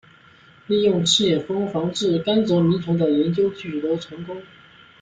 利用赤眼蜂防治甘蔗螟虫的研究取得成功。